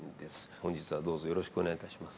本日はどうぞよろしくお願いいたします。